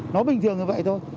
nó bình thường như vậy thôi